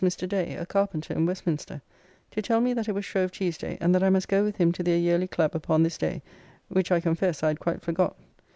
] While we were drinking, in comes Mr. Day, a carpenter in Westminster, to tell me that it was Shrove Tuesday, and that I must go with him to their yearly Club upon this day, which I confess I had quite forgot.